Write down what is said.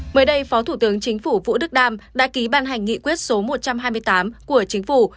mới đây phó thủ tướng chính phủ vũ đức đam đã ký ban hành nghị quyết số một trăm hai mươi tám của chính phủ